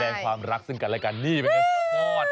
แสดงความรักซึ่งกันแล้วกันนี่มันก็สปอด